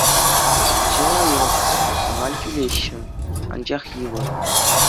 Ĕçĕ лайӑх, аван тӳлеҫҫӗ, анчах йывӑр.